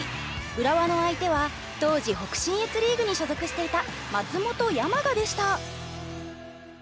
浦和の相手は当時北信越リーグに所属していた松本山雅でした。